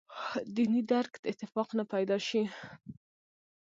دیني درک اتفاق نه پیدا شي.